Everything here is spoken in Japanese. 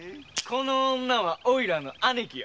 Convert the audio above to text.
この女はおいらの姉貴よ。